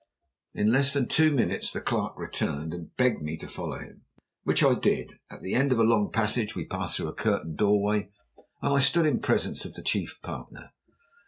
In less than two minutes the clerk returned, and begged me to follow him, which I did. At the end of a long passage we passed through a curtained doorway, and I stood in the presence of the chief partner.